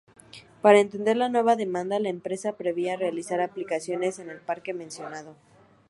Para atender la nueva demanda, la empresa preveía realizar ampliaciones en el parque mencionado.